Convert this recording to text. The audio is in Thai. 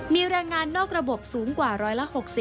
มีแรงงานนอกระบบสูงกว่า๑๖๐